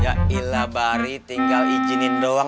yaelah bari tinggal izinin doang